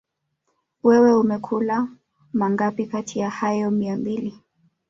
Wewe umekula mangapi kati ya hayo mia mbili